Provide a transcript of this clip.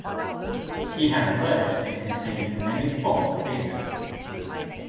He had alleged it contained many false statements.